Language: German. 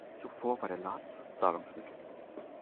Zuvor war der Lats Zahlungsmittel.